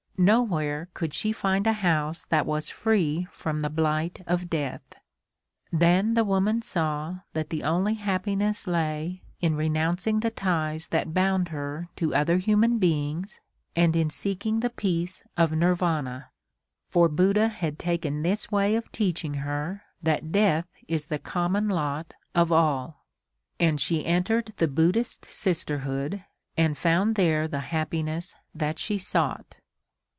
Nowhere could she find a house that was free from the blight of Death. Then the woman saw that the only happiness lay in renouncing the ties that bound her to other human beings and in seeking the peace of Nirvana, for Buddha had taken this way of teaching her that Death is the common lot of all; and she entered the Buddhist sisterhood and found there the happiness that she sought.